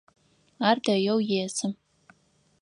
Ар дэеу есы.